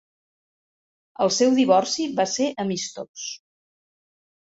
El seu divorci va ser amistós.